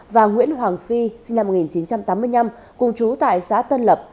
và nguyễn hoàng phi sinh năm một nghìn chín trăm tám mươi năm cùng chú tại xã tân lập